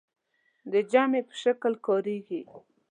د جمع په شکل کاریږي.